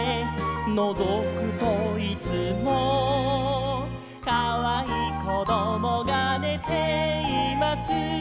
「のぞくといつも」「かわいいこどもがねています」